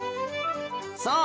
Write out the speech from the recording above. そう！